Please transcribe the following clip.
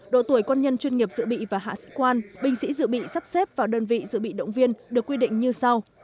độ tuổi quân nhân chuyên nghiệp dự bị và hạ sĩ quan binh sĩ dự bị sắp xếp vào đơn vị dự bị động viên được quy định như sau